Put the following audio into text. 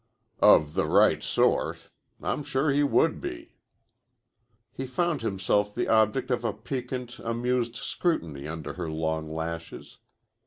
"Of the right sort. I'm sure he would be." He found himself the object of a piquant, amused scrutiny under her long lashes.